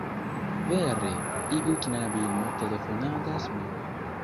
Vere, iu knabino telefonadas min